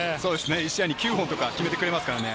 １試合に９本とか決めてくれますからね。